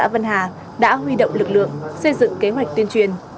văn hà đã huy động lực lượng xây dựng kế hoạch tuyên truyền